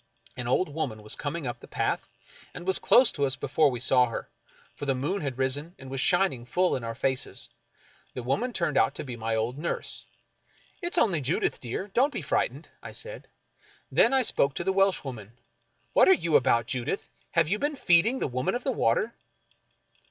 An old woman was coming up the path, and was close to us before we saw her, for the moon had risen, and was shining full in our faces. The woman turned out to be my old nurse. " It's only Judith, dear — don't be frightened," I said. Then I spoke to the Welshwoman :" What are you about, Judith ? Have you been feeding the Woman of the Water